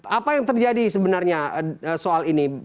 apa yang terjadi sebenarnya soal ini